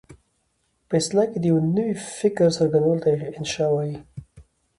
په اصطلاح کې د یوه نوي فکر څرګندولو ته انشأ وايي.